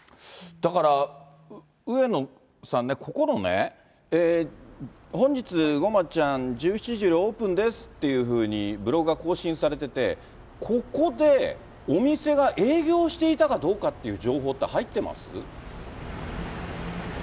だから、上野さんね、ここのね、本日、ごまちゃん、１７時よりオープンですっていうふうにブログが更新されてて、ここでお店が営業していたかどうかという情報って入ってます？